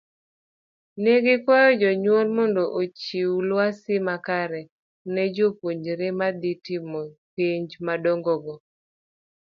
Negikwayo jonyuol mondo ochiw lwasi makare ne jo puonjre madhii timo penj madongo go.